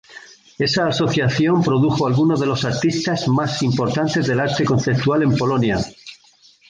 Esa asociación produjo algunos de los artistas más importantes del arte conceptual en Polonia.